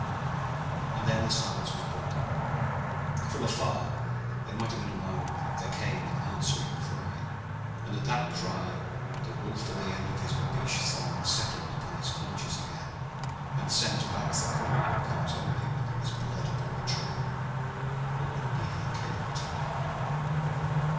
And then the silence was broken. From afar it might have been a mile away there came an answering cry; and at that cry the wolf at the end of his babeesh thong settled upon his haunches again and sent back the call that comes only when there is blood upon the trail or when near the killing time.